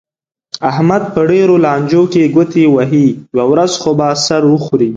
احمد په ډېرو لانجو کې ګوتې وهي، یوه ورځ خو به سر وخوري.